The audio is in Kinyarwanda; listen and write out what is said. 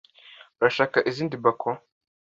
Urashaka izindi bacon?